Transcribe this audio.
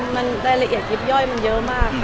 มันรายละเอียดยิบย่อยมันเยอะมาก